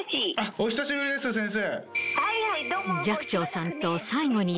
お久しぶりです、先生。